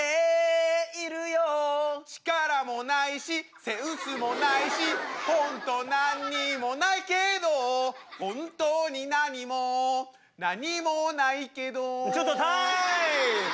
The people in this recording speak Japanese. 力もないしセンスもないし本当何にもないけど本当に何も何もないけどちょっとタイム！